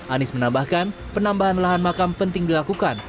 anies menambahkan penambahan lahan makam penting dilakukan